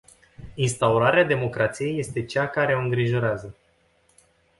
Instaurarea democrației este cea care o îngrijorează.